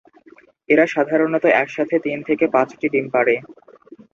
এরা সাধারণত একসাথে তিন থেকে পাঁচটি ডিম পাড়ে।